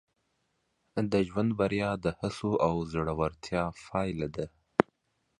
د ژوند بریا د هڅو او زړورتیا پایله ده.